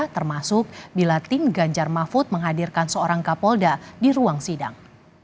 termasuk bila tim ganjar mahfud menghadirkan seorang kapolda di ruang sidang